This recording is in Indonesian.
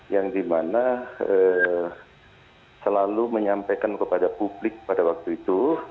yang dimana selalu menyampaikan kepada publik pada waktu itu